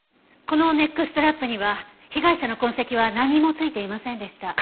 このネックストラップには被害者の痕跡は何も付いていませんでした。